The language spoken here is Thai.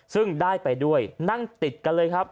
ซึ่งได้ไปด้วยนั่งติดกันเลยครับ